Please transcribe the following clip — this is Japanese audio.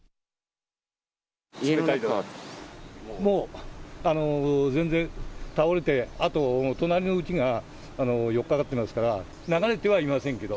もう全然、倒れて、あと、隣のうちが寄っかかっていますから、流れてはいませんけど。